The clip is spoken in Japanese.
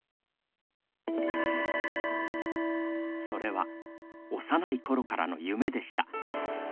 それは幼い頃からの夢でした。